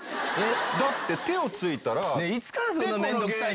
だって手をついたら。